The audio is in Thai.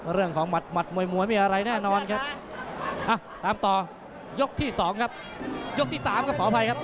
เรื่องของหมัดมวยมีอะไรแน่นอนครับ